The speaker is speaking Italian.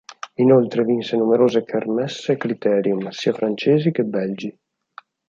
Inoltre vinse numerose kermesse e criterium, sia francesi che belgi.